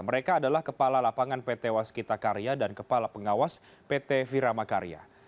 mereka adalah kepala lapangan pt waskita karya dan kepala pengawas pt virama karya